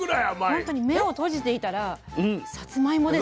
ほんとに目を閉じていたらさつまいもですね。